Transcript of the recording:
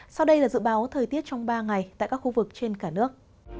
sau đây là dự báo thời tiết trong ba ngày tại các khu vực trên cả nước